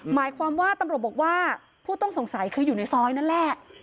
หมายความว่าตำรวจบอกว่าผู้ต้องสงสัยคืออยู่ในซอยนั่นแหละ